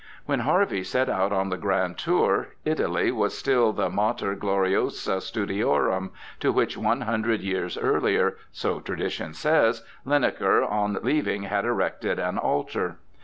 When Harvey set out on the grand tour, Italy was still the mater glonosa studiontm, to which one hundred years earlier, so tradition says, Linacre on leaving had erected an altar.